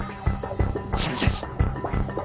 それです！